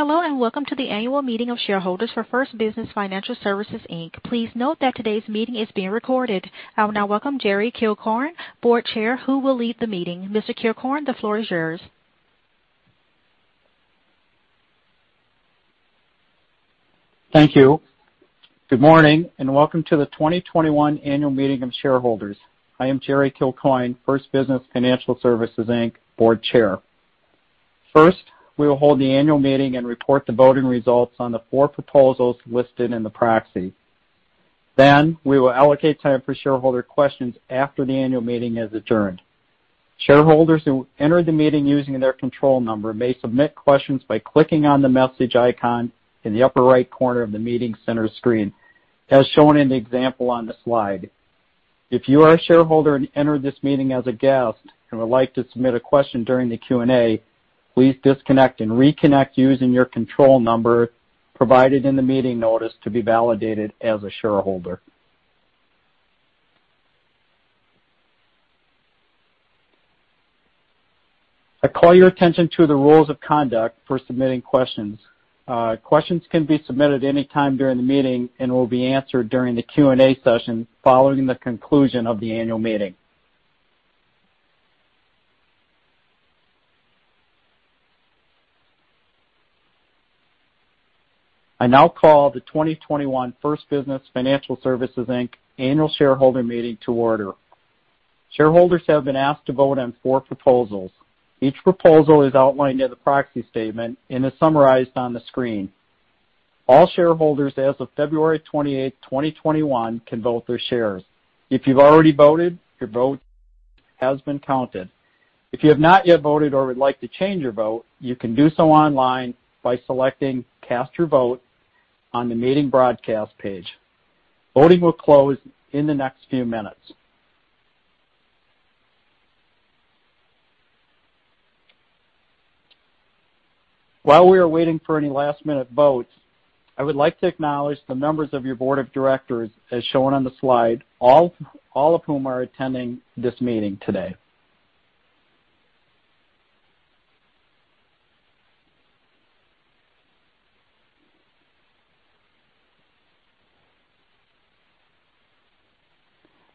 Hello, welcome to the annual meeting of shareholders for First Business Financial Services, Inc. Please note that today's meeting is being recorded. I will now welcome Jerry Kilcoyne, Board Chair, who will lead the meeting. Mr. Kilcoyne, the floor is yours. Thank you. Good morning, and welcome to the 2021 annual meeting of shareholders. I am Jerry Kilcoyne, First Business Financial Services, Inc., Board Chair. First, we will hold the annual meeting and report the voting results on the four proposals listed in the proxy. We will allocate time for shareholder questions after the annual meeting is adjourned. Shareholders who enter the meeting using their control number may submit questions by clicking on the message icon in the upper right corner of the meeting center screen, as shown in the example on the slide. If you are a shareholder and entered this meeting as a guest and would like to submit a question during the Q&A, please disconnect and reconnect using your control number provided in the meeting notice to be validated as a shareholder. I call your attention to the rules of conduct for submitting questions. Questions can be submitted any time during the meeting and will be answered during the Q&A session following the conclusion of the annual meeting. I now call the 2021 First Business Financial Services, Inc., annual shareholder meeting to order. Shareholders have been asked to vote on four proposals. Each proposal is outlined in the proxy statement and is summarized on the screen. All shareholders as of February 28, 2021, can vote their shares. If you've already voted, your vote has been counted. If you have not yet voted or would like to change your vote, you can do so online by selecting Cast Your Vote on the meeting broadcast page. Voting will close in the next few minutes. While we are waiting for any last-minute votes, I would like to acknowledge the members of your board of directors as shown on the slide, all of whom are attending this meeting today.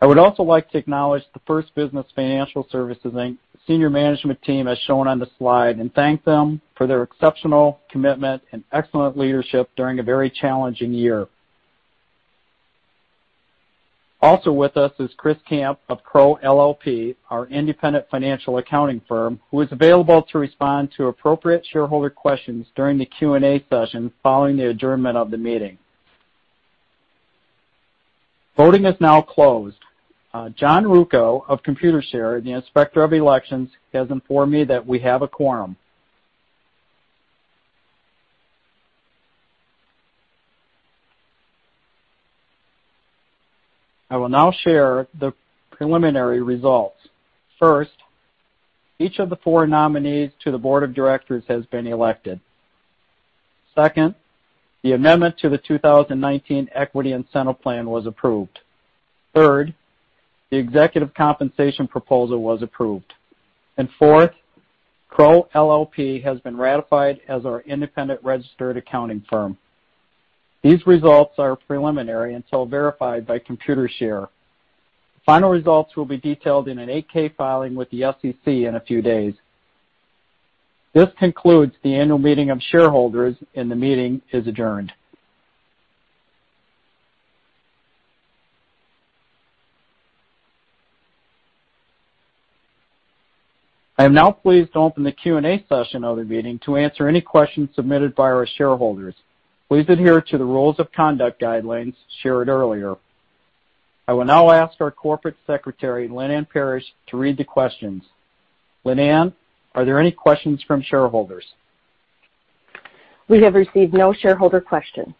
I would also like to acknowledge the First Business Financial Services, Inc., senior management team as shown on the slide and thank them for their exceptional commitment and excellent leadership during a very challenging year. Also with us is Chris Camp of Crowe LLP, our independent financial accounting firm, who is available to respond to appropriate shareholder questions during the Q&A session following the adjournment of the meeting. Voting is now closed. John Ruocco of Computershare, the inspector of elections, has informed me that we have a quorum. I will now share the preliminary results. First, each of the four nominees to the board of directors has been elected. Second, the amendment to the 2019 Equity Incentive Plan was approved. Third, the executive compensation proposal was approved. Fourth, Crowe LLP has been ratified as our independent registered accounting firm. These results are preliminary until verified by Computershare. The final results will be detailed in an 8-K filing with the SEC in a few days. This concludes the annual meeting of shareholders, and the meeting is adjourned. I am now pleased to open the Q&A session of the meeting to answer any questions submitted by our shareholders. Please adhere to the rules of conduct guidelines shared earlier. I will now ask our Corporate Secretary, Lynn Ann Parrish, to read the questions. Lynn Ann, are there any questions from shareholders? We have received no shareholder questions.